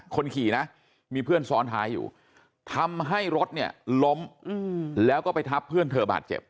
คนขี่นะมีเพื่อนซ้อนท้ายอยู่ทำให้รถเนี่ยล้มแล้วก็ไปทับเพื่อนเธอบาดเจ็บ